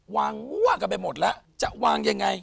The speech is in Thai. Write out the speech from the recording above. งั่วกันไปหมดแล้วจะวางยังไง